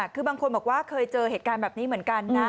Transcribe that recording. คือบางคนบอกว่าเคยเจอเหตุการณ์แบบนี้เหมือนกันนะ